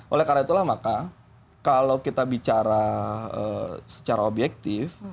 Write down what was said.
oleh karena itulah maka kalau kita bicara secara objektif